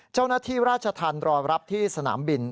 เจ้าหน้าที่ราชธรรมรอรับที่สนามบิน